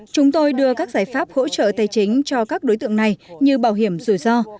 chúng tôi đưa các giải pháp hỗ trợ tài chính cho các đối tượng này như bảo hiểm rủi ro